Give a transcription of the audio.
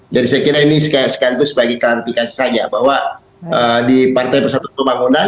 jadi saya kira ini sekalian itu sebagai klarifikasi saja bahwa di partai persatuan pembangunan